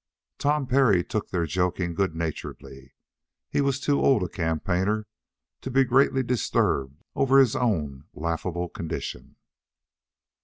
Tom Parry took their joking good naturedly. He was too old a campaigner to be greatly disturbed over his own laughable condition.